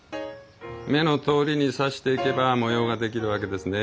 目のとおりに刺していけば模様が出来るわけですね。